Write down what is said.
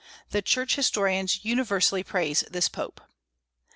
The Church historians universally praise this Pope.